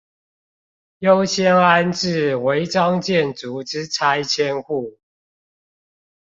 優先安置違章建築之拆遷戶